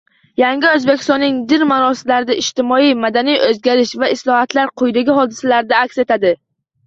Yangi Oʻzbekistonning din borasidagi ijtimoiy-madaniy oʻzgarish va islohotlari quyidagi hodisalarda aks etadi.